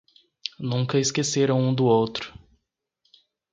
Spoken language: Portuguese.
Nunca esqueceram um do outro